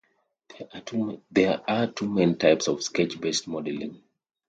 There are two main types of sketch-based modeling.